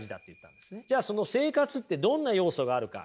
じゃあその生活ってどんな要素があるか？